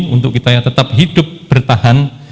untuk kita yang tetap hidup bertahan